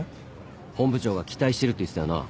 本部長が「期待してる」って言ってたよな？